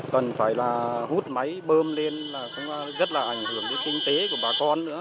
cần phải là hút máy bơm lên là cũng rất là ảnh hưởng đến kinh tế của bà con nữa